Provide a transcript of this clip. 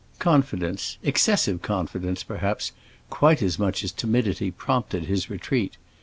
Confidence—excessive confidence, perhaps—quite as much as timidity prompted his retreat.